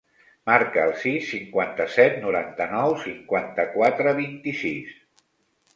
Marca el sis, cinquanta-set, noranta-nou, cinquanta-quatre, vint-i-sis.